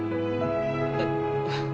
えっ。